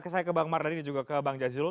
saya ke bang mardani juga ke bang jazilul